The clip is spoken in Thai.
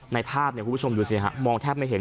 ในภาพคุณผู้ชมดูสิฮะมองแทบไม่เห็น